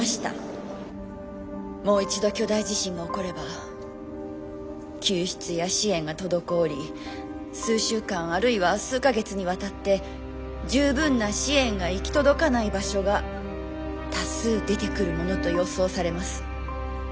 もう一度巨大地震が起これば救出や支援が滞り数週間あるいは数か月にわたって十分な支援が行き届かない場所が多数出てくるものと予想されます。